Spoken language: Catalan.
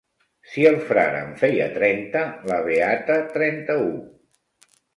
Si el frare en feia trenta, la beata trenta-u.